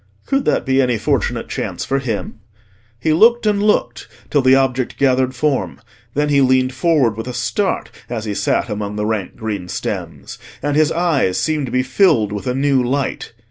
Could that be any fortunate chance for him? He looked and looked till the object gathered form: then he leaned forward with a start as he sat among the rank green stems, and his eyes seemed to be filled with a new light.